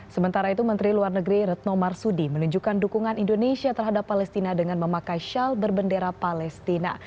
sementara itu menteri luar negeri retno marsudi menunjukkan dukungan indonesia terhadap palestina dengan memakai shawl berbendera palestina